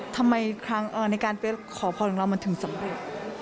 ทำไมในการเป็นขอพรรณเรามันถึงสำเร็จ